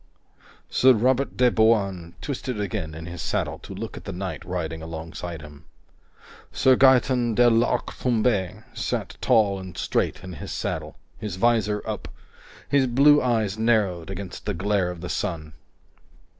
Sir Robert de Bouain twisted again in his saddle to look at the knight riding alongside him. Sir Gaeton de l'Arc Tombé sat tall and straight in his saddle, his visor up, his blue eyes narrowed against the glare of the sun.